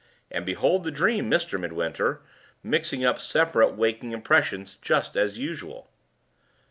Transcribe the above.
And behold the dream, Mr. Midwinter, mixing up separate waking impressions just as usual!"